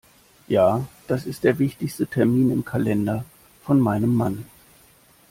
Ja, das ist der wichtigste Termin im Kalender von meinem Mann.